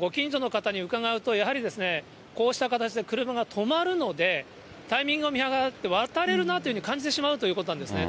ご近所の方に伺うと、やはり、こうした形で車が止まるので、タイミングを見計らって渡れるなというふうに感じてしまうそうなんですね。